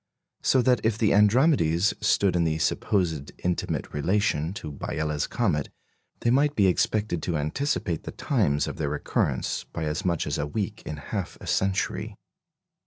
So that if the "Andromedes" stood in the supposed intimate relation to Biela's comet, they might be expected to anticipate the times of their recurrence by as much as a week in half a century.